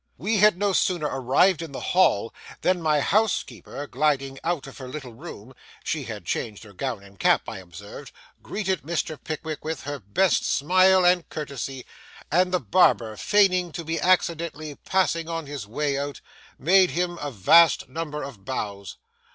We had no sooner arrived in the Hall than my housekeeper, gliding out of her little room (she had changed her gown and cap, I observed), greeted Mr. Pickwick with her best smile and courtesy; and the barber, feigning to be accidentally passing on his way out, made him a vast number of bows.